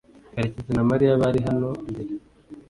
karekezi na mariya bari hano mbere